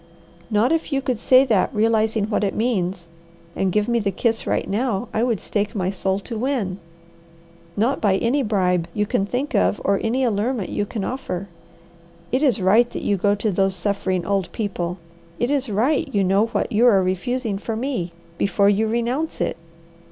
"Not if you could say that realizing what it means, and give me the kiss right now I would stake my soul to win! Not by any bribe you can think of or any allurement you can offer. It is right that you go to those suffering old people. It is right you know what you are refusing for me, before you renounce it.